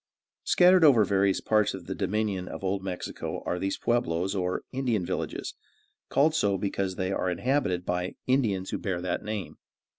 Scattered over various parts of the dominion of Old Mexico are these Peublos, or Indian villages, called so because they are inhabited by Indians who bear that name.